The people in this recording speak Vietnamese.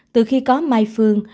từ khi có mai phương